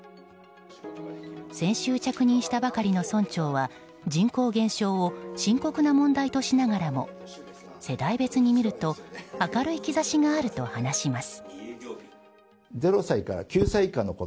先週着任したばかりの村長は人口減少を深刻な問題としながらも世代別に見ると明るい兆しがあると話します。